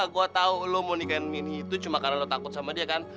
gue tau lo mau nikahin mini itu cuma karena lo takut sama dia kan